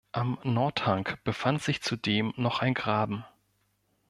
Am Nordhang befand sich zudem noch ein Graben.